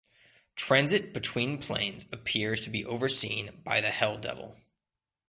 Transit between planes appears to be overseen by the Hell Devil.